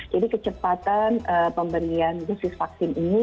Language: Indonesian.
jadi kecepatan pemberian dosis vaksin ini